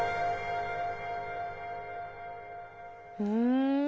うん。